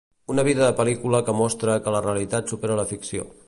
Una vida de pel·lícula que mostra que la realitat supera la ficció.